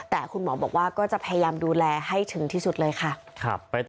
แต่คุณหมอบอกว่าก็จะพยายามดูแลให้ถึงที่สุดเลยค่ะ